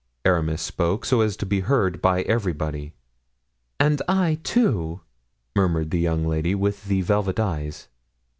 Aramis spoke so as to be heard by everybody. "And I, too," murmured the young lady with the velvet eyes.